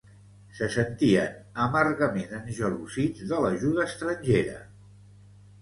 Se sentien amargament engelosits de l'ajuda estrangera.